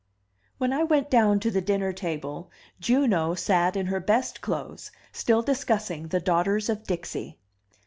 When I went down to the dinner table, Juno sat in her best clothes, still discussing the Daughters of Dixie.